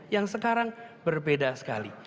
yang sekarang berbeda sekali